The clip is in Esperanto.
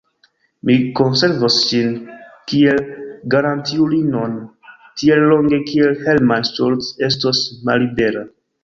Mi konservos ŝin kiel garantiulinon tiel longe, kiel Hermann Schultz estos mallibera.